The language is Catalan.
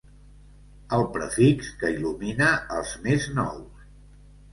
El prefix que il·lumina els més nous.